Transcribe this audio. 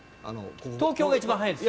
東京が一番早いです。